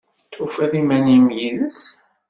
Tufiḍ iman-im yid-s?